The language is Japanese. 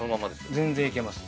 全然いけます。